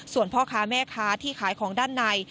ส่วนพ่อค้าแม่ค้าที่ขายของด้านใน